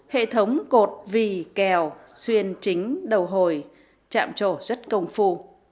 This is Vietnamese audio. hệ thống cột vì kèo xuyên chính đầu hồi chạm trổ rất công phu